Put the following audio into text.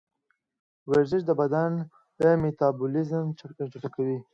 ورزش د بدن میتابولیزم چټکوي.